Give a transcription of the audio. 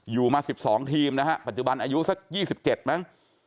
อยู่มาสิบสองทีมนะฮะปัจจุบันอายุสักยี่สิบเจ็ดมั้ง